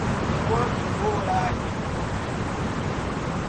Encontre o horário do filme.